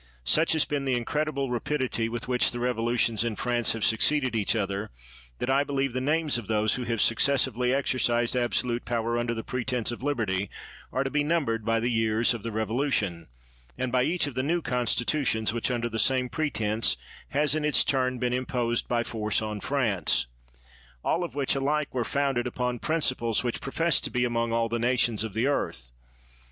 Such has been the incredible rapidity with which the rev olutions in France have succeeded each other, that I believe the names of those who have suc 15 THE WORLD'S FAMOUS ORATIONS cessively exercised absolute power under the pretense of liberty are to be numbered by the years of the revolution, and by each of the new constitutions, which, under the same pretense, has in its turn been imposed by force on France : all of which alike were founded upon principles which professed to be among all the nations of the earth.